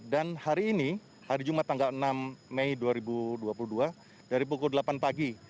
dan hari ini hari jumat tanggal enam mei dua ribu dua puluh dua dari pukul delapan pagi